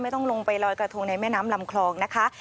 ต้องลงไปลอยกระทงในแม่น้ำลำคลองนะคะ